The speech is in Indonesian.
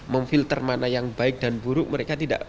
memfilter mana yang baik dan buruk mereka tidak